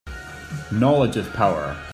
Knowledge is power.